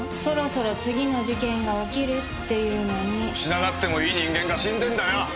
そろそろ次の事件が起きるっていうのに死ななくてもいい人間が死んでんだよ